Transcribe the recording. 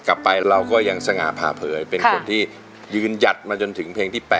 กลับไปเราก็ยังสง่าผ่าเผยเป็นคนที่ยืนหยัดมาจนถึงเพลงที่๘